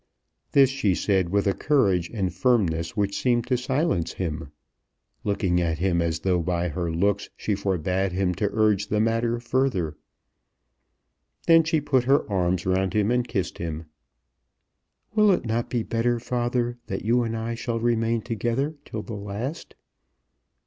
This she said with a courage and firmness which seemed to silence him, looking at him as though by her looks she forbade him to urge the matter further. Then she put her arms round him and kissed him. "Will it not be better, father, that you and I shall remain together till the last?"